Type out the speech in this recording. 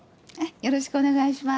よろしくお願いします。